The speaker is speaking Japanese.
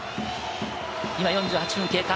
今４８分経過。